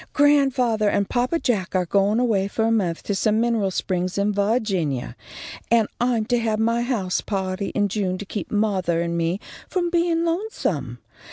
"Grandfathah and papa Jack are goin' away fo' a month to some mineral springs in Va'ginia, and I'm to have my house pahty in June to keep mothah and me from bein' lonesome.